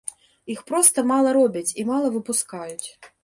Іх проста мала робяць і мала выпускаюць.